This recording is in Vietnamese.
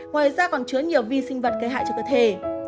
ngoài ra còn chứa nhiều vi sinh vật gây hại cho cơ thể